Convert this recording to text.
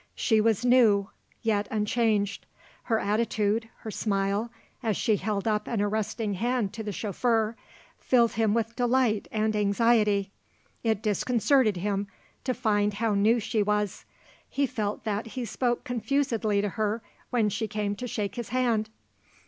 She was new, yet unchanged. Her attitude, her smile, as she held up an arresting hand to the chauffeur, filled him with delight and anxiety. It disconcerted him to find how new she was. He felt that he spoke confusedly to her when she came to shake his hand.